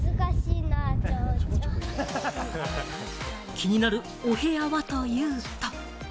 気になるお部屋はというと。